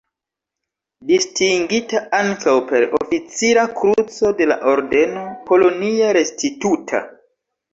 Distingita ankaŭ per Oficira Kruco de la Ordeno "Polonia Restituta".